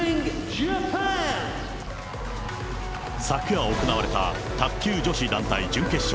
昨夜行われた卓球女子団体準決勝。